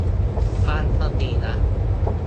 บ้างก็ดีนะ